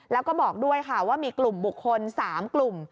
แล้วก็บอกด้วยค่ะว่ามีกลุ่มบุคคล๓กลุ่ม